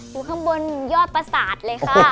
อยู่ข้างบนยอดประสาทเลยค่ะ